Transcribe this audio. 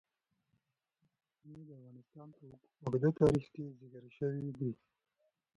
د اوبو سرچینې د افغانستان په اوږده تاریخ کې ذکر شوی دی.